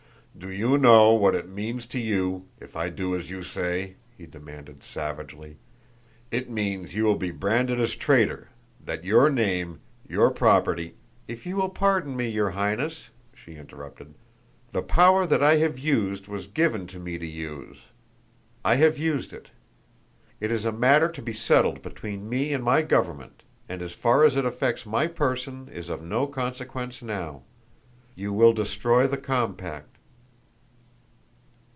"Do you know what it means to you if I do as you say?" he demanded savagely. "It means you will be branded as traitor, that your name, your property " "If you will pardon me, your Highness," she interrupted, "the power that I have used was given to me to use; I have used it. It is a matter to be settled between me and my government, and as far as it affects my person is of no consequence now. You will destroy the compact."